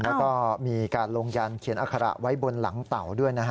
แล้วก็มีการลงยันเขียนอัคระไว้บนหลังเต่าด้วยนะฮะ